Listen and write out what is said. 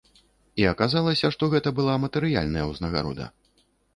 І аказалася, што гэта была матэрыяльная ўзнагарода.